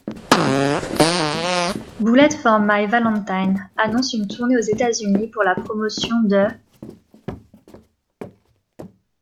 Bullet for My Valentine annonce une tournée aux États-Unis pour la promotion de '.